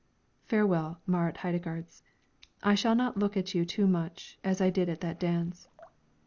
Farewell, Marit Heidegards, I shall not look at you too much, as I did at that dance.